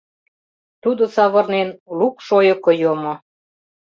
Тудо, савырнен, лук шойыко йомо.